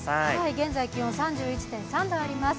現在気温３３．１度あります。